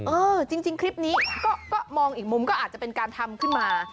เออจริงคลิปนี้ก็มองอีกมุมก็อาจจะเป็นการทำขึ้นมา